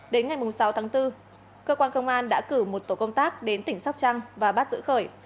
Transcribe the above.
đến ngày sáu tháng bốn cơ quan công an đã cử một tổ công tác đến tỉnh sóc trăng và bắt giữ khởi